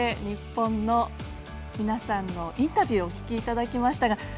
日本の皆さんのインタビューお聞きいただきました。